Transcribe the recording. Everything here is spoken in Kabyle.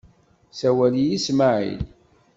Sawal-iyi Smaεil.